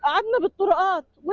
saya menjaga mereka